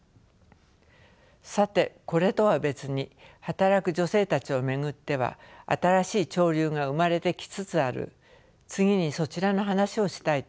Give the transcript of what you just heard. さてこれとは別に働く女性たちを巡っては新しい潮流が生まれてきつつある次にそちらの話をしたいと思います。